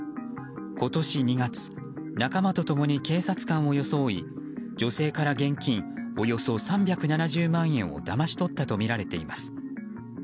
今年２月仲間と共に警察官を装い女性から現金およそ３７０万円をだまし取ったとみられています。